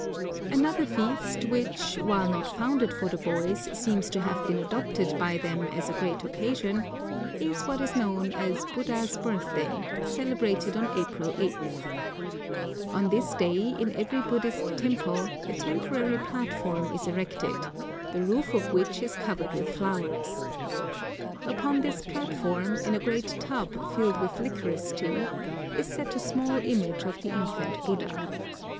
Another feast, which, while not founded for the boys, seems to have been adopted by them as a great occasion, is what is known as Buddha's birthday, celebrated on April eighth. On this day in every Buddhist temple a temporary platform is erected, the roof of which is covered with flowers. Upon this platform, in a great tub filled with licorice tea, is set a small image of the infant Buddha.